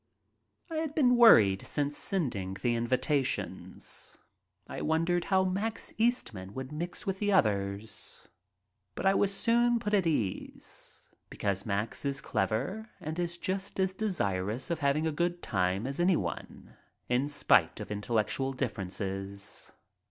I had been worried since sending the invitations. I wondered how Max Eastman would mix with the others, but I was soon put at my ease, because Max is clever and is just as desirous of having a good time as anyone, in spite of intellectual differences.